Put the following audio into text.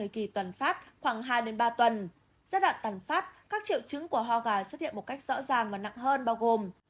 giai đoạn toàn phát các triệu chứng của hoa gà xuất hiện một cách rõ ràng và nặng hơn bao gồm